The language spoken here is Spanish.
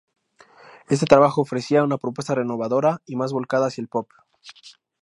Este trabajo ofrecía una propuesta renovadora y más volcada hacia el pop.